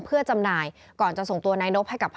จากนั้นก็จะนำมาพักไว้ที่ห้องพลาสติกไปวางเอาไว้ตามจุดนัดต่าง